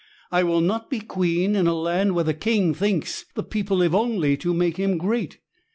I will not be queen in a land where the king thinks the people live only to make him great.